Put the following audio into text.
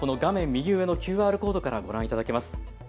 右上のＱＲコードからご覧いただけます。